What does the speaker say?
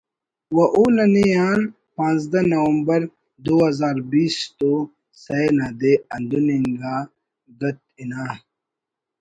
و او ننے آن پانزدہ نومبر دو ہزار بیست و سہ نا دے ہندن اناگت ہنا